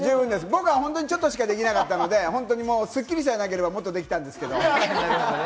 僕はちょっとしかできなかったので、『スッキリ』さえなければ、もっとできたんですけど。